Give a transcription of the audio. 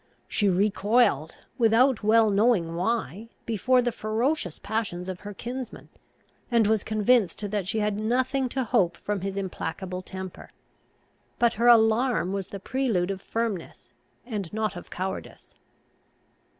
She recoiled, without well knowing why, before the ferocious passions of her kinsman, and was convinced that she had nothing to hope from his implacable temper. But her alarm was the prelude of firmness, and not of cowardice.